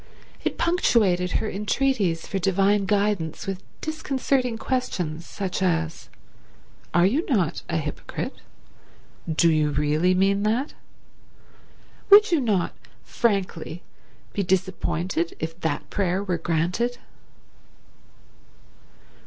It punctuated her entreaties for divine guidance with disconcerting questions, such as, "Are you not a hypocrite? Do you really mean that? Would you not, frankly, be disappointed if that prayer were granted?"